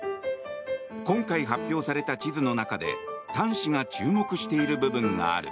今回発表された地図の中で譚氏が注目している部分がある。